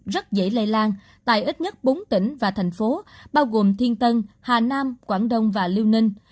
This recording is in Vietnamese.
rất dễ lây lan tại ít nhất bốn tỉnh và thành phố bao gồm thiên tân hà nam quảng đông và liêu ninh